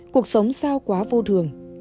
cuộc sống sao quá vô thường